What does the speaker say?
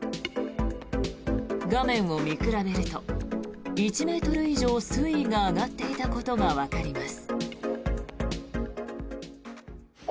画面を見比べると１ｍ以上水位が上がっていたことがわかります。